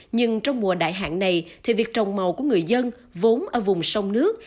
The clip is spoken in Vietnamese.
nhưng trong mùa đại hạn này thì việc trồng màu của người dân vốn ở vùng sông nước